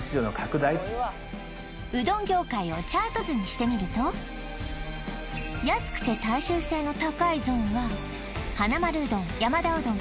うどん業界をチャート図にしてみると安くて大衆性の高いゾーンははなまるうどん山田うどん